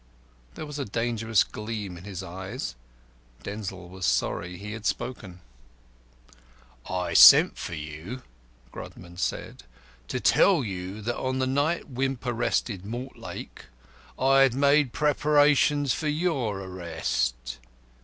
There was a dangerous gleam in his eyes. Denzil was sorry he had spoken. "I sent for you," Grodman said, "to tell you that on the night Wimp arrested Mortlake I had made preparations for your arrest."